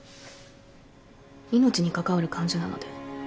命に関わる患者なので。